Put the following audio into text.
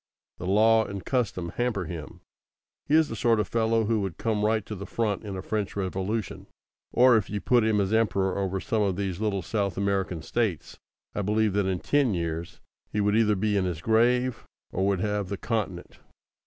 The law and custom hamper him. He is the sort of fellow who would come right to the front in a French Revolution. Or if you put him as Emperor over some of these little South American States, I believe that in ten years he would either be in his grave, or would have the Continent.